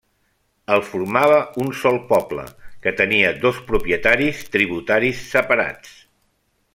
El formava un sol poble que tenien dos propietaris-tributaris separats.